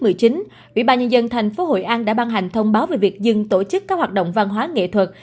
ủy ban nhân dân tp hội an đã ban hành thông báo về việc dừng tổ chức các hoạt động văn hóa nghệ thuật